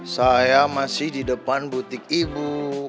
saya masih di depan butik ibu